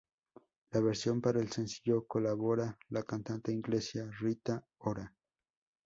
La versión para el sencillo colabora la cantante inglesa Rita Ora.